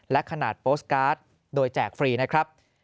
และขนาดโปสตการ์ดโดยแจกฟรีนะครับ